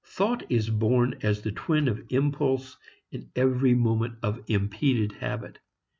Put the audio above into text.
Thought is born as the twin of impulse in every moment of impeded habit.